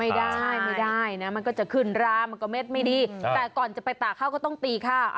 ไม่ได้ไม่ได้นะมันก็จะขึ้นรามันก็เม็ดไม่ดีแต่ก่อนจะไปตากข้าวก็ต้องตีข้าว